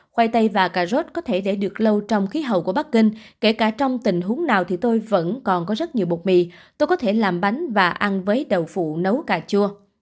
khoai tây và cà rốt có thể để được lâu trong khí hậu của bắc kinh kể cả trong tình huống nào thì tôi vẫn còn có rất nhiều bột mì tôi có thể làm bánh và ăn với đầu phụ nấu cà chua